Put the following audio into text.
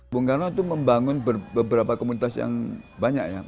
bung karno itu membangun beberapa komunitas yang banyak ya